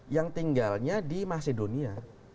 yang tinggalnya di macedonia